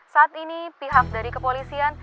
saat ini pihak dari kepolisian